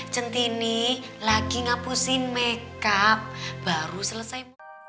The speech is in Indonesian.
centini lagi ngapusin makeup baru selesai